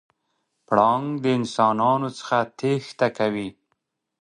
پړانګ د انسانانو څخه تېښته کوي.